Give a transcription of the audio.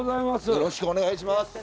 よろしくお願いします